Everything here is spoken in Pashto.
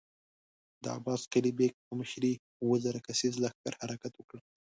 د عباس قلي بېګ په مشری اووه زره کسيز لښکر حرکت وکړ.